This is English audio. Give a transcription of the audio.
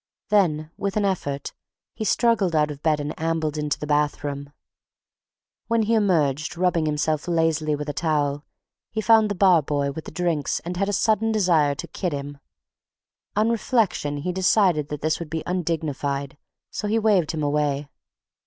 Then, with an effort, he struggled out of bed and ambled into the bathroom. When he emerged, rubbing himself lazily with a towel, he found the bar boy with the drinks and had a sudden desire to kid him. On reflection he decided that this would be undignified, so he waved him away.